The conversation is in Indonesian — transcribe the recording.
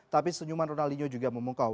tapi senyuman ronaldinho juga memungkau